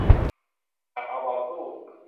หนักเอาเบาสู้